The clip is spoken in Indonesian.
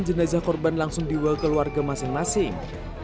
jenazah korban langsung dibawa ke keluarga masing masing